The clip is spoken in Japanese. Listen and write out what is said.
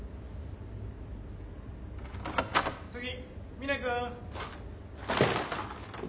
・次峰君！